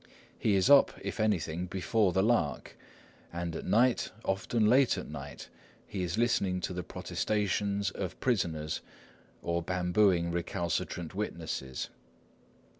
He is up, if anything, before the lark; and at night, often late at night, he is listening to the protestations of prisoners or bambooing recalcitrant witnesses.